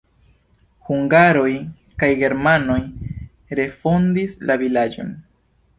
Hungaroj kaj germanoj refondis la vilaĝon.